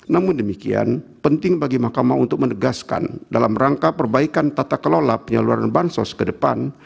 namun demikian penting bagi mahkamah untuk menegaskan dalam rangka perbaikan tata kelola penyaluran bansos ke depan